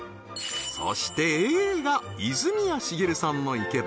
そしてＡが泉谷しげるさんの生け花